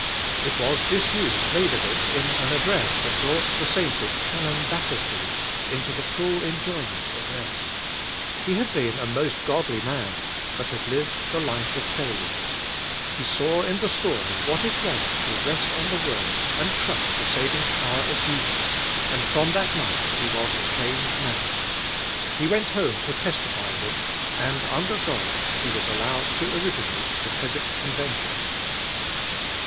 It was this use made of it in an address that brought the sainted Canon Battersby into the full enjoyment of rest. He had been a most godly man, but had lived the life of failure. He saw in the story what it was to rest on the Word and trust the saving power of Jesus, and from that night he was a changed man. He went home to testify of it, and under God, he was allowed to originate the Kes wick Convention.